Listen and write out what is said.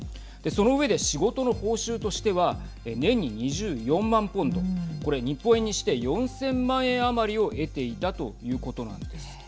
その上で仕事の報酬としては年に２４万ポンドこれ日本円にして４０００万円余りを得ていたということなんです。